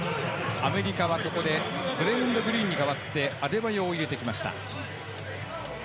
アメリカはここで、グリーンに代わってアデバーヨを入れてきました。